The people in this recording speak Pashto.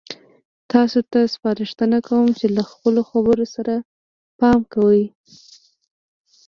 تاسو ته سپارښتنه کوم چې له خپلو خبرو سره پام کوئ.